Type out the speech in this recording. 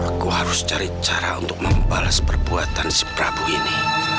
aku harus cari cara untuk membalas perbuatan si prabu ini